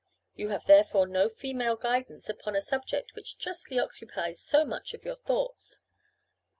You have therefore no female guidance upon a subject which justly occupies so much of your thoughts.